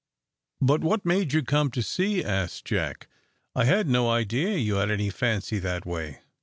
"But what made you come to sea?" asked Jack. "I had no idea you had any fancy that way."